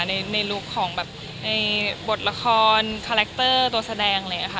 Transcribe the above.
ในลูกของแบบบทละครคาแรคเตอร์ตัวแสดงเลยค่ะ